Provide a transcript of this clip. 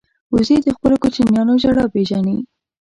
وزې د خپلو کوچنیانو ژړا پېژني